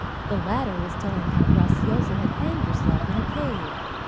The latter was telling how Graciosa had hanged herself in a cave.